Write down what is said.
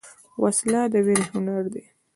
وسله د ویرې هنر ده